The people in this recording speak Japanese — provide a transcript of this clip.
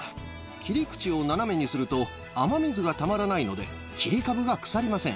切り口を斜めにすると、雨水がたまらないので、切り株が腐りません。